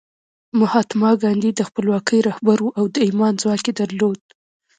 مهاتما ګاندي د خپلواکۍ رهبر و او د ایمان ځواک یې درلود